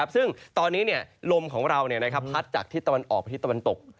ซึ่งตอนนี้ลมของเราพัดออกไปที่ตะวันตก